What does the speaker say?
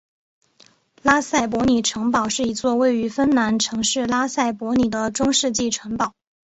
拉塞博里城堡是一座位于芬兰城市拉塞博里的中世纪城堡。